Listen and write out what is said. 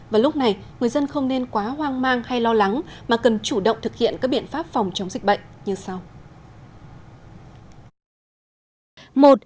và lúc này người dân không nên quá hoang mang hay lo lắng mà cần chủ động thực hiện các biện pháp phòng chống dịch bệnh như sau